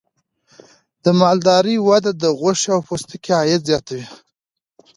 د مالدارۍ وده د غوښې او پوستکي عاید زیاتوي.